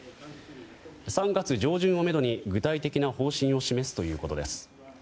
３月上旬をめどに具体的な方針を示すということです。